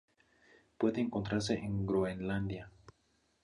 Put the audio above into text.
Puede encontrarse en Groenlandia.